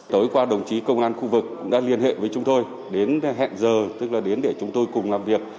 tối qua đồng chí công an khu vực đã liên hệ với chúng tôi đến hẹn giờ tức là đến để chúng tôi cùng làm việc